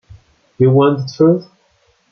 You want the truth?